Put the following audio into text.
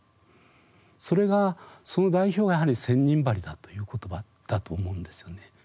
それがその代表が「千人針」だという言葉だと思うんですよね。